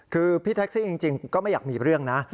คือพี่แท็กซี่จริงก็ไม่อยากมีเรื่องนะ